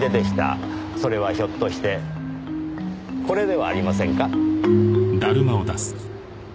それはひょっとしてこれではありませんか？